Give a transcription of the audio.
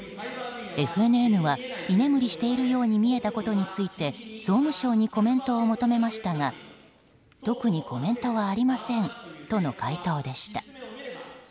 ＦＮＮは、居眠りしているように見えたことについて総務省にコメントを求めましたが特にコメントはありませんとの回答でした。